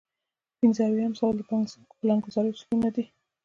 پنځه اویایم سوال د پلانګذارۍ اصلونه دي.